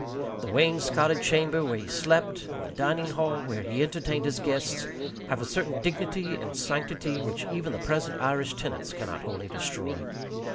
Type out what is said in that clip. The wainscoted chamber where he slept, and the dining hall where he entertained his guests, have a certain dignity and sanctity which even the present Irish tenants cannot wholly destroy.